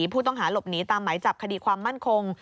ผู้ต้องหาหลบหนีตามหมายจับคดีความมั่นคง